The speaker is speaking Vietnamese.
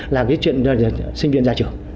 là cái chuyện sinh viên gia trưởng